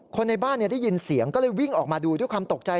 คนในบ้านได้ยินเสียงก็เลยวิ่งออกมาดูด้วยความตกใจ